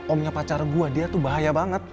omnya pacar gue dia tuh bahaya banget